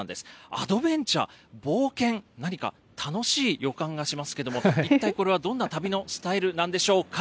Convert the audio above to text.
アドベンチャー、冒険、何か楽しい予感がしますけども、一体これはどんな旅のスタイルなんでしょうか。